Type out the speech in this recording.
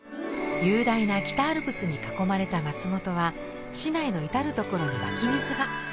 雄大な北アルプスに囲まれた松本は市内の至る所に湧き水が。